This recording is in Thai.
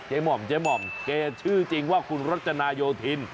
เจ๊หม่อมเจ๊หม่อมเจ๊ชื่อจริงว่าคุณรัชนโยธิน